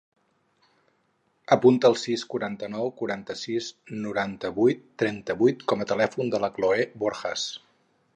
Apunta el sis, quaranta-nou, quaranta-sis, noranta-vuit, trenta-vuit com a telèfon de la Cloè Borjas.